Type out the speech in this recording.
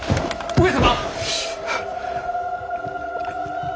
上様！